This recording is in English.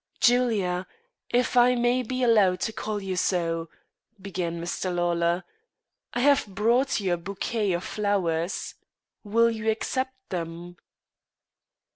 "Julia if I may be allowed so to call you" began Mr. Lawlor, "I have brought you a bouquet of flowers. Will you accept them?"